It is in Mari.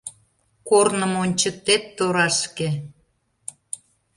Корным ончыктет торашке.